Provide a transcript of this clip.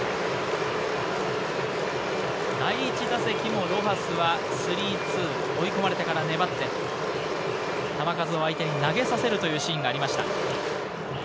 第１打席もロハスは３−２、追い込まれてから粘って、球数を相手に投げさせるというシーンがありました。